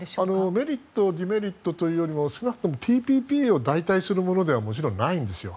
メリットデメリットというよりも少なくともＴＰＰをもちろん代替するものではないんですよ。